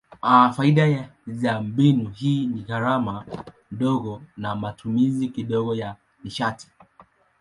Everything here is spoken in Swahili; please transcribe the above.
Faida za mbinu hii ni gharama ndogo na matumizi kidogo ya nishati.